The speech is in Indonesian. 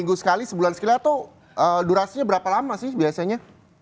seminggu sekali sebulan sekila tuh durasinya berapa lama sih biasanya